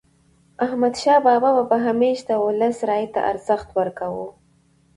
احمدشاه بابا به همیشه د ولس رایې ته ارزښت ورکاوه.